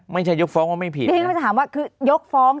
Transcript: ไม่ใช่ยกฟ้องว่าไม่ผิดนี่มันถามว่าคือยกฟ้อง